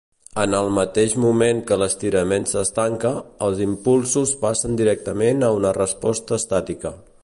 En el mateix moment que l'estirament s'estanca, els impulsos passen directament a una resposta estàtica.